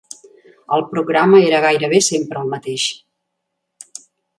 El programa era gairebé sempre el mateix.